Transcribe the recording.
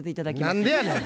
何でやねん。